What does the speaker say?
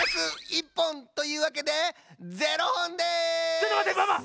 ちょっとまってママ！